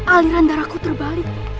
aliran darahku terbalik